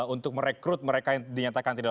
untuk merekrut mereka yang dinyatakan tidak